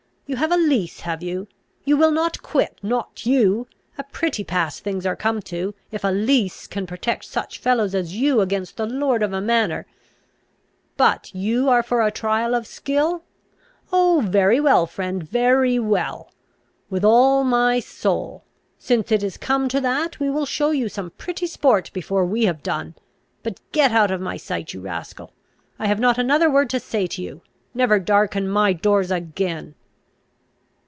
You have a lease, have you? You will not quit, not you! a pretty pass things are come to, if a lease can protect such fellows as you against the lord of a manor! But you are for a trial of skill? Oh, very well, friend, very well! With all my soul! Since it is come to that, we will show you some pretty sport before we have done! But get out of my sight, you rascal! I have not another word to say to you! Never darken my doors again."